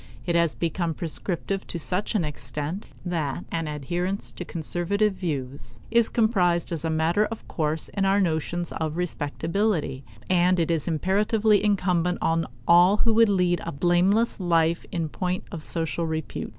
It has become prescriptive to such an extent that an adherence to conservative views is comprised as a matter of course in our notions of respectability; and it is imperatively incumbent on all who would lead a blameless life in point of social repute.